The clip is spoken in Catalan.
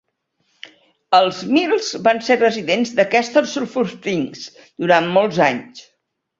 Els Mills van ser residents de Castor Sulfur Springs durant molts anys.